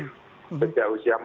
sejak usia empat puluh